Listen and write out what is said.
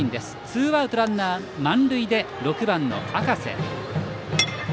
ツーアウト、ランナー満塁で６番の赤瀬。